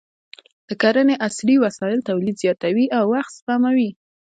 د کرنې عصري وسایل تولید زیاتوي او وخت سپموي.